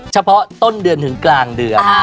เฉพาะต้นเดือนถึงกลางเดือน